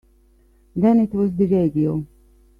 Then it was the radio.